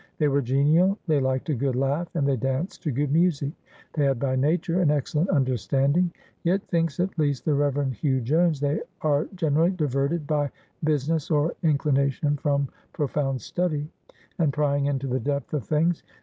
They were genial, they liked a good laugh, and they danced to good music. They had by nature an excellent understanding. Yet, thinks at least the Reverend Hugh Jones, they "are gen erally diverted by Business or Inclination from profound Study, and prying into the Depth of Things.